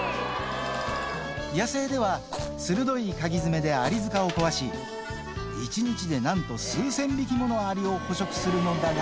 野生では鋭いかぎづめでアリ塚を壊し、１日でなんと数千匹ものアリを捕食するのだが。